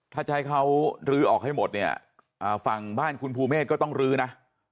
ถ้าจะให้เขาลื้อออกให้หมดเนี่ยฝั่งบ้านคุณภูเมฆก็ต้องลื้อนะ